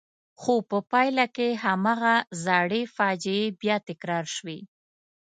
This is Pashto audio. خو په پایله کې هماغه زړې فاجعې بیا تکرار شوې.